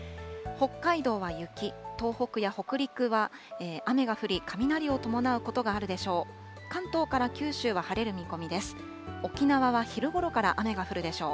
北海道は雪、東北や北陸は雨が降り、雷を伴うことがあるでしょう。